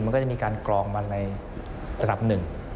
มันก็จะมีการกรองมาในระดับหนึ่ง